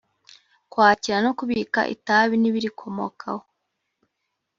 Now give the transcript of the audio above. kwakira no kubika itabi n ibirikomokaho